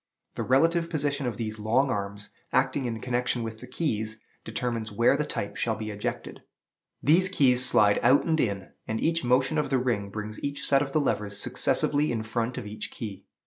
The relative position of these long arms, acting in connection with the keys, determines where the type shall be ejected. These keys slide out and in, and each motion of the ring brings each set of the levers successively in front of each key.